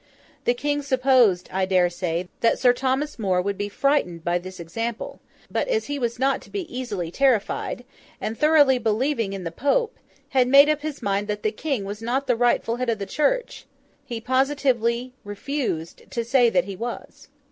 The King supposed, I dare say, that Sir Thomas More would be frightened by this example; but, as he was not to be easily terrified, and, thoroughly believing in the Pope, had made up his mind that the King was not the rightful Head of the Church, he positively refused to say that he was.